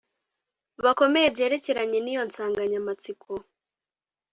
bakomeye byerekeranye n’iyo nsanganyamatsiko.